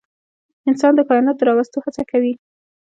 انسان د کایناتو د راوستو هڅه کوي.